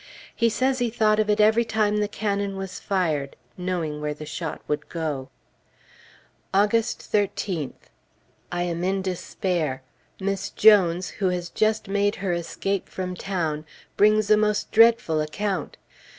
He says he thought of it every time the cannon was fired, knowing where the shot would go. August 13th. I am in despair. Miss Jones, who has just made her escape from town, brings a most dreadful account.